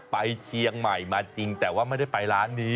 ไปเชียงใหม่มาจริงแต่ว่าไม่ได้ไปร้านนี้